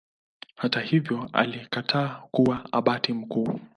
Hata hivyo alikataa kuwa Abati mkuu.